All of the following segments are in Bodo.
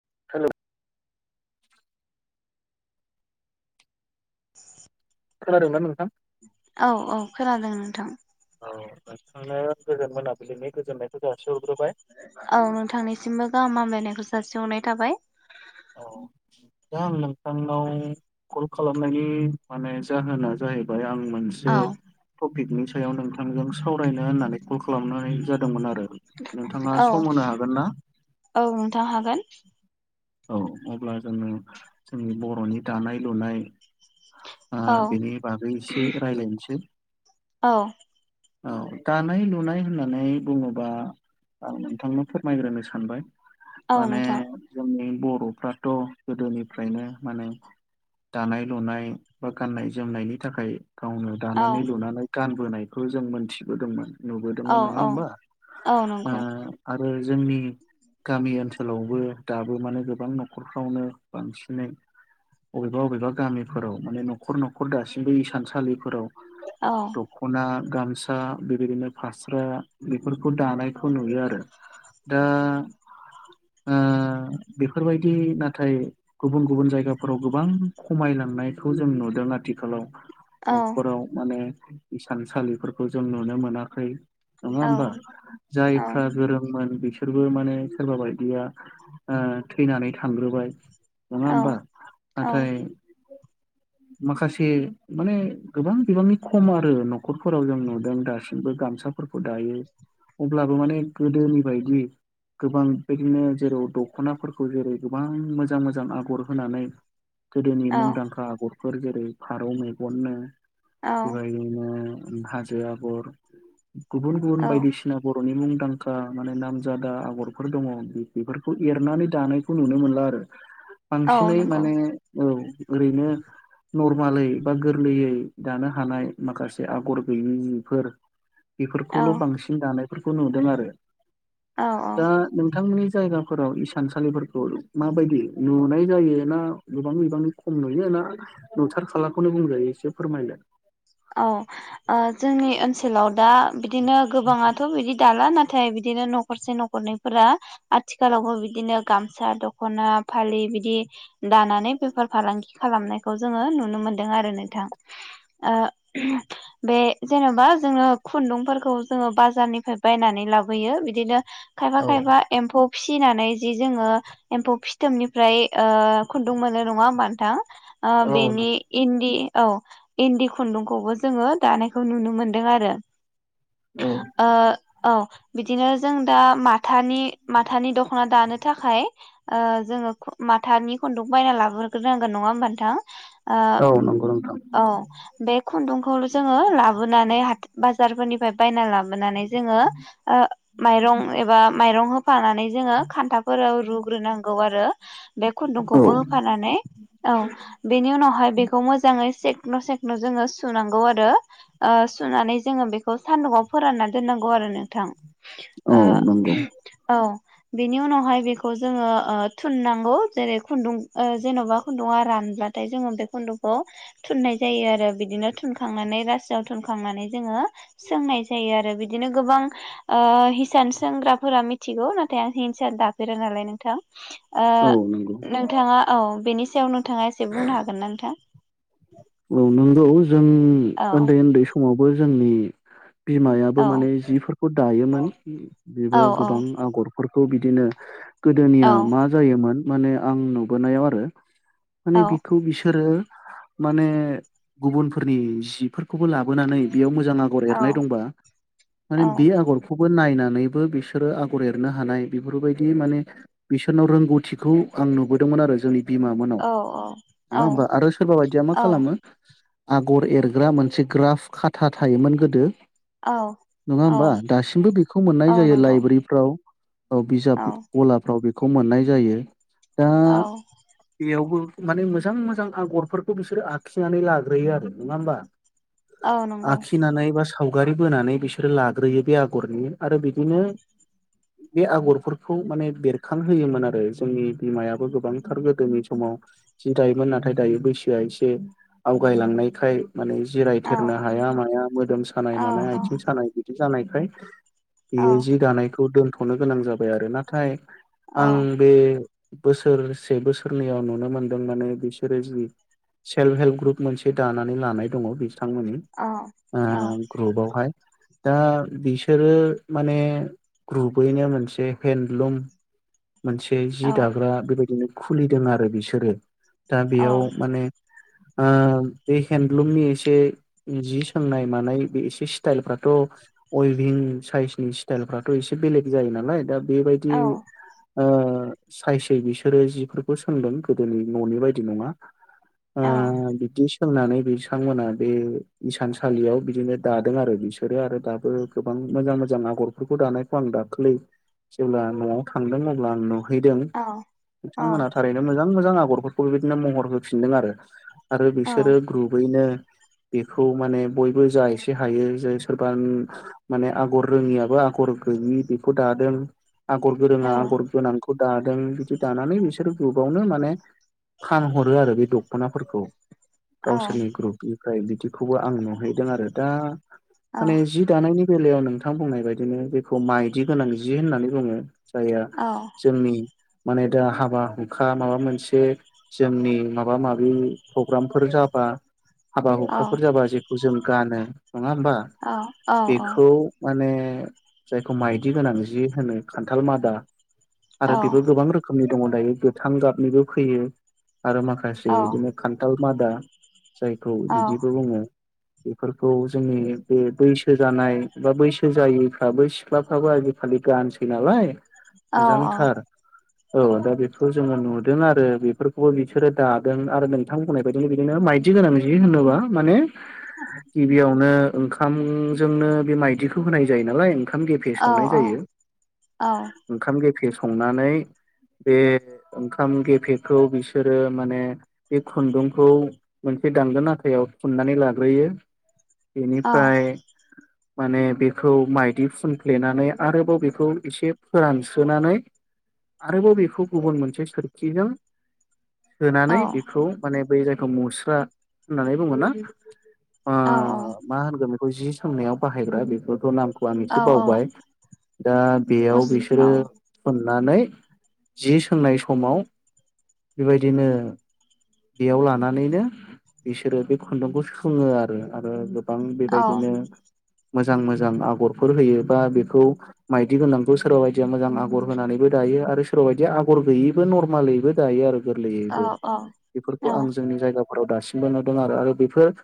[unintelligible] [inaudible] खोनादोंना नोंथां? औ औ खोनादों नोंथां। औ नोंथांना गोजोन मोनाबिलिनि गोजोननायखौ जासि हरग्रोबाय। औ नोंथांनिसिमबो गाहाम हामलायनायखौ जासिहरनाय थाबाय। औ दा आं नोंथां नाव कल खालामनायनि माने जाहोना जाहैबाय आं मोनसे औ पिकनिक सायाव नोंथांजों सावरायनो होननानै कल खालामनाय जादोंमोन आरो नोंथाङा सम होनो हागोन ना? औ नोंथां हागोन औ अब्ला जोङो जोंनि बर'नि दानाय लुनाय औ बेनि बागै एसे रायलायनोसै औ औ दानाय लुनाय होननानै बुङोबा आं नोंथांनो फोरमायग्रोनो सानबाय औ माने नोंथां जोंनि बर'फ्राथ' गोदोनिफ्रायनो माने दानाय लुनाय बा गाननाय जोमनायनि थाखाय गावनो औ दानानै लुनानै गानबोनायखौ जों मोनथिबोदोंमोन औ नुबोदोंमोन नङा औ होमबा! औ नंगौ जोंनि गामि ओनसोलावबो दाबो माने गोबां न'खरफ्रावनो बांसिनै अबेबा बबेबा गामिफोराव माने न'खर न'खर दासिमबो इसानसालिफोराव औ दखना गामसा बेबायदिनो फास्रा बेफोरखौ दानायखौ नुयो आरो दा ओ बेफोरबायदि नाथाय गुबुन गुबुन जायगाफोराव गोबां खमायलांनायखौ जों नुदों आथिखालाव औ न'खराव माने इसानसालिफोरखौ जों नुनो मोनाखै नङा औ होमबा! औ जायफ्रा गोरोंमोन बिसोरबो माने सोरबा बायदिया थैनानै थांग्रोबाय नङा औ होमबा! नाथाय औ माखासे माने गोबां बिबांनि खम आरो न'खरफोराव जों नुदों दासिमबो गामसा फोरखौ दायो। अब्लाबो माने गोदोनि बायदि गोबांबायदिनो जेराव द दख'नाफोरखौ जेरै गोबां मोजां मोजां आगर होनानै गोदोनि औ मुंदांखा आगर फोर जेरै फारौ मेगननो बेबायदिनो हाजो आगर गुबुन गुबुन औ बायदिसिना बर'नि मुंदांखा माने नामजादा आगरफोर दङ बेफोरखौ एरनानै दानायखौ नुनो मोनला आरो औ बांसिनै नंगौ माने औ ओरैनो नरमालै बा गोरलैयै दानो हानाय माखासे आगर गैयिफोर औ बेफोरखौल' बांसिन दानायफोरखौ नुदों आरो औ औ दा नोंथांमोननि जायगा फोराव इसानसालिफोरखौ माबायदि नुनाय जायो ना गोबां बिबांनि खम नुयो ना नुथार खालाखौनो बुंजायो एसे फोरमायगोन औ जोंनि ओनसोलाव दा बिदिनो गोबाङाथ' बिदि दाला नाथाय बिदिनो न'खरसे न'खरनैफोरा आथिखालावबो बिदिनो गामसा दख'ना फालि बिदि दानानै बेफार फालांगि खालामनायखौ जोङो नुनो मोनदों आरो नोंथां। ओ [inaudible] बे जेनेबा जोङो खुन्दुंफोरखौ जोङो बाजारनिफ्राय बायनानै लाबोयो बिदिनो खायफा खायफा एम्फौ फिसिनानै जि जोङो एम्फौ फिथोबनिफ्राय ओ खुन्दुं मोनो नङा होमबा नोंथां औ बेनि नंगौ इन्दि औ इन्दि खुन्दुं खौबो जोङो दानायखौ नुनो मोनदों आरो औ औ बिदिनो जों दा माथानि माथानि दख'ना दानो थाखाय जोङो माथानि खुन्दुंखौ बायना लाबोग्रोनांगोन नङा हबा नोंथां! औ नंगौ नोंथां ओ औ बे खुन्दुंखौल' जोङो लाबोनानै हाथाय बाजारफोरनिफ्राय बायना लाबो [inaudible] जोङो माइरं एबा माइरं होनानै होफानानै जोङो खान्थाफोराव रुग्रोनांगौ आरो बे औ खुन्दुंखौबो होफानानै औ बेनि उनावहाय बेखौ मोजाङै सेख्ल' सेख्ल' जोङो सुनांगौ आरो सुनानै जोङो बेखौ सानदुंआव फोरानना दोननांगौ आरो नोंथां औ ओ नंगौ औ बेनि उनावहाय बेखौ जोङो ओ थुननांगौ जेरै खुन्दुं ओ जेन'बा खुन्दुङा रा ब्ला थाय जोङो बे खुन्द'खौ थुननाय जायो आरो बिदिनो थुनखांनानै रासोआव थुनखांनानै जोङो सोंनाय जायो आरो बिदिनो गोबां ओ हिसान सोंग्राफोरा मिथिगौ नाथाय आं हिंसान दाफेरा नालाय नोंथां ओ औ नंगौ औ नोंथाङा औ बेनि सायाव नोंथाङा एसे बुंनो हागोन ना नोंथां औ नंगौ जों औ उन्दै-उन्दै समावबो जोंनि औ बिमायाबो माने जिफोरखौ दायोमोन औ बेबो गोबां आगरफोर खौ बिदिनो औ गोदोनिया मा जायोमोन माने आं नुबोनायाव आरो माने औ बेखौ बिसोरो माने गुबुनफोरनि जिफोरखौबो लाबोनानै बेयाव मो जां आगर औ एनाय दंबा माने औ बे आगरखौबो नायनानै नैबो बिसोरो आगर एरनो हानाय बेफोरबायदि माने बिसोरनाव रोंगौथिखौ आं नुबोदों मोन आरो जोंनि बिमा मोननाव औ नङा होनबा आरो सोरबा बायदि मा खालामो आगर एरग्रा मोनसे ग्राफ खाथा थायोमोन गोदो औ नङा औ होमबा दासिमबो बेखौ मोननाय औ जायो नंगौ लाइब्रेरिफोराव औ बिजाब गलाफ्राव बेखौ मोननाय जायो दा औ बेयावबो माने मोजां-मोजां आगरफोरखौ बिसोरो आखिनानै लाग्रोयो आरो नङा होमबा औ नंगौ आखिनानै बा सावगारि बोनानै बिसोरो लाग्रोयो बे आगरनि आरो बिदिनो बे आगरफोरखौ माने बेरखांहोयोमोन आरो जोंनि बिमायाबो गोबांथार गोदोनि समाव जि दायोमोन नाथाय दायो बैसोआ एसे आवगायलांनायखाय माने औ जिरायथेरनो हाया माया मोदोम सानाय औ मानाय औ आथिं सानाय बिदि जानायखाय औ बियो जि दानायखौ दोन्थ'नो गोनां जाबाय आरो नाथाय औ आं बे बोसोरसे बोसोरनैयाव नुनो मोनदों माने बिसोरो जि सेल्फ हेल्प ग्रुप मोनसे दानानै लानाय दङ बिजों बिथांमोननि औ ओ ग्रुपावहाय दा बिसोरो माने ग्रुुबैनो मोनसे हेन्दलुम मोनसे औ जि दाग्रा बेबायदिनो खुलिदों आरो बिसोरो दा बेयाव [inaudible] ओ बे हेन्दलुमनि एसे जि सोंनाय मानाय बे एसे स्टाइल फ्राथ' अइभिं साइसनि स्टाइलफ्राथ' एसे बेलेग जायो नालाय दा बेबायदि ओ सायसै बिसोरो जिफोरखौ सोंदों गोदोनि न'नि बायदि नङा ओ बिबदि सोंनानै बिथांमोना बे इसानसालियाव बिदिनो दादों आरो बिसोरो आरो दाबो गोबां मोजां-मोजां आगरफोरखौ दानायखौ आं दाखालै जेब्ला न'आव थांदों अब्ला आं हैदों औ बिथांमोनहा थारैनो मोजां-मोजां आगरफोरखौ बेबायदिनो महर होफिनदों आरो आरो बिसोरो ग्रुबैनो बेखौ माने बयबो जा एसे हायो जे सोरबा अम माने आगर रोङियाबो आगर गोयि बेखौ दादों आगर गोरोङा आगर गोनांखौ दादों बिदि दानानै बिसोरो ग्रुबावनो माने फान हरो आरो बे दख'नाफोरखौ गावसोरनि ग्रुपनि ओमफ्राय बिदिखौबो आं नुहैदों आरो दा माने जि दानायनि बेलायाव नोंथां बुंनाय बायदिनो जेखौ माइदि गोनां जे होननानै बुङो जाया जोंनि माने दा हाबा हुखा माबा मोनसे जोंनि माबा माबि प्रग्रामफोर जाबा हाबा हुखाफोर जाबा जेखौ जों गानो नंङा होमबा बेखौ माने जायखौ माइदि गोनां जि होनो खान्थाल मादा आरो बेबो गोबां रोखोमनि दंङ दायो गोथां गाबनिबो फैयो आरो माखासे बिदिनो खानथाल मादा जायखौ बिदिबो बुंङो बेफोरखौ जोंनि बे बैसो जानाय बा बैसो जायैफ्राबो सिख्लाफ्राबो आजिखालि गानसोनालाय मोजांथार औ दा बेखौ जोङो नुदों आरो बेफोरखौ बो बिसोरो दादों आरो नोंथां बुंनाय बायदिनो बिदिनो माइदि गोनां जि होनोबा माने गिबियावनो ओंखामजोंनो बे माइदिखौ होनाय जायो नालाय ओंखाम गेफे संनाय जायो ओंखाम संनानै बे ओखाम गेफेखौ बि बिसोरो माने बे खुन्दुंखौ मोनसे दानगोन आखाव फुननानै लाग्रोयो बेनिफ्राय माने बेखौ माइदि फुनफ्लेनानै आरोबाव बेखौ एसे फोरानसस्रोनानै आरोबाव बेखौ गुबुन मोनसे सोरखिजों होनानै बेखौ माने बै जायखौ मुस्रा होननानै बुंङना औ औ जि सोंनायाव बाहायग्रा बेफोरखौ' नामखौ आं एसे बावबाय दा बेयाव बिसोरो नानै जि सोंनाय समाव बेबायदिनो बेयाव लानानैनो बिसोरो बे खुन्दुंखौ सोंङो आरो आरो गोबां बेबायदिनो मोजां मोजां आगरफोर होयो बा बेखौ माइदि गोनांखौ सोरबा बायदिया मोजां आगर होनानैबो दा दायो आरो सोरबा बायदि आगर गोयौबो नरमाललिबो दायो आरो गोरलैयैबो बेफोरखौ आं जोंनि जायगाफोराव दासिमबो नुदों आरो आरो बेफोर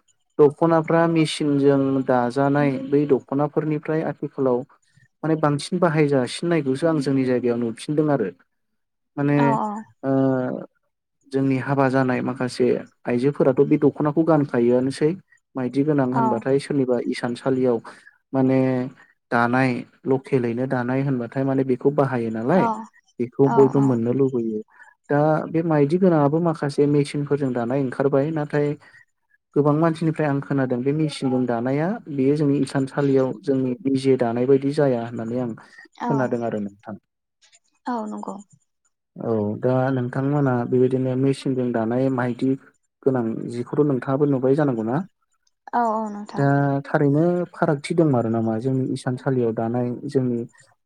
दख'नाफ्रा मिसिनजों दाजानाय बै दख'नाफोरनिफ्राय आथिखालाव माने बांसिन बाहायजासिननायखौसो आं जोंनि जायगायाव नुफिनदों आरो माने अ जोंनि हाबा जानाय माखासे आइजोफोराथ' बे दख'नाखौ गानखायोआनोसै माइदि गोनां होनबाथाय सोरनिबा इस थानसालियाव माने दानाय लकेलयैनो दानाय होनबाथाय मान बेखौ बाहायो नालाय बेखौ बयबो मोननो लुबैयो दा बे माइदि गोनांङाबो माखासे मेसिनफोरजों दानाय ओंखारबाय नाथाय गोबां मानसिनिफ्राय आं खोनादों बे मेसिनजों दानाया बेयो जोंनि इसानसालियाव जोंनि निजे दानाय बायदि जाया होननानै आं खोनादों आरो नोंथां नंगौ औ दा नोंथांमोना बेबायदिनो मेसिनजों दानाय मायदि गोनां जिखौथ' नोंथांङाबो नुबाय जानांगौ ना औ औ नोंथां ओरैनो फारागथि दं मारो नामा जोंनि इसानसालियाव दानाय जोंनि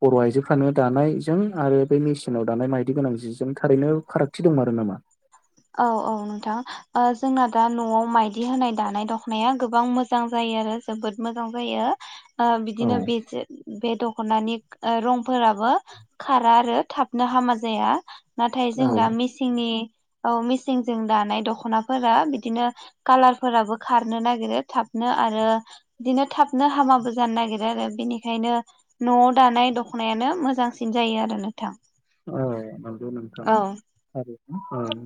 बर' आइजोफ्रानो दानाय जजों आरो बे मेसिनाव दानाय मायदि गोनां जिजों थारैनो फारागथि दंमारो नामा औ औ नोंथां अ जोंना दा न'आव माइदि होनाय दानाय दख'नाया गोबां मोजां जायो आरो जोबोद मोजां जायो अ औ बिदिनो बे बे दख'नानि अ रंफोराबो खारा आरो थाबनो हामा जाया नाथाय जों औ दा मेसिननि औ मिसिंजों दानाय दख'नाफोरा बिदिनो कालारफोराबो खारनो नागिरो थाबनो आरो बिदिनो थाबनो हामाबो जानो नागिरो आरो बेनिखायनो न'आव दानाय दख'नायानो नो मोजांसिन जायो आरो नोंथां औ नंगौ नोंथां औ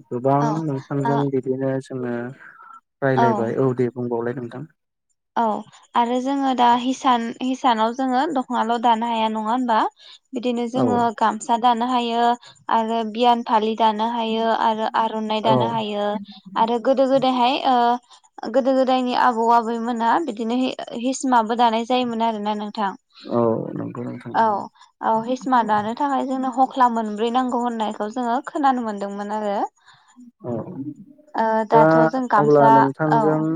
गोबां औ ओ नोंथांजों बिदिनो जोंङो रायलायबाय औ दे बुंबावलाय नोंथां औ आरो जोङो दा हिसान हिसानाव जोङो दखाङल' दानो हाया नङा हबा? बिदिनो औ जोङो गामसा दानो हायो आरो बियान फालि दानो हायो आरो आर'नाइ औ दानो हायो आरो गोदो गोदायहाय ओ गोदो गोदायनि आबौ आबैमोना बिदिनो हिसमाबो दानाय जायोमोन आरोना नों- थां। औ नंगौ नोंथां औ नंगौ औ हिसिमा दानो थाखाय जोंनो ह ख्ला मोनब्रै नांगौ होननायखौ जोङो खोनानो मोनदोंमोन आरो। औ ओ दा दाथ' जों अब्ला गामसा औ नोंथांजों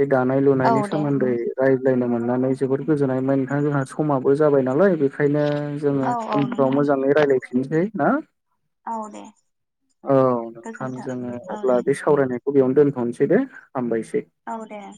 बे दानाय औ लुनायनि दे सोमोन्दै रायज्लायनो मोननानै जोबोर गोजोननाय मोनबाय नोंथां ओमफ्राय जोंहा समाबो जाबायमोन नालाय बेखायनो जोङो औ औ उनफ्राव नोंथां मोजाङै रायलायफिननोसै ना? औ दे औ नोंथां गोजोन्थों जोङो औ दे अब्ला बे सावरायनाय खौ बियावनो दोन्थनोसै दे हामबायसै। औ दे नोंथां